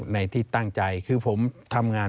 ในที่ตั้งใจคือผมทำงาน